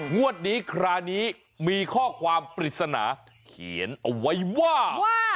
งวดนี้คราวนี้มีข้อความปริศนาเขียนเอาไว้ว่า